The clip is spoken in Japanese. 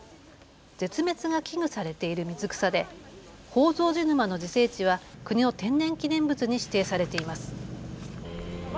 絶滅が危惧されている水草で宝蔵寺沼の自生地は国の天然記念物に指定されています。